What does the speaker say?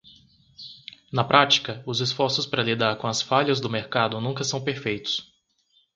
Na prática, os esforços para lidar com as falhas do mercado nunca são perfeitos.